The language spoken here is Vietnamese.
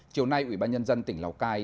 chiều nay ubnd tỉnh lào cai